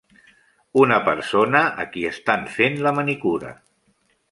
Una persona a qui estan fent la manicura.